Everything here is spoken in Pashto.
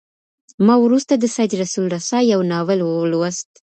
ما وروسته د سید رسول رسا یو ناول ولوست.